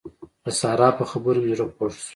د سارا په خبرو مې زړه خوږ شو.